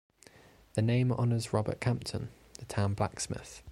The name honors Robert Campton, the town blacksmith.